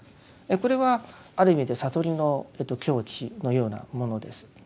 これはある意味で悟りの境地のようなものです。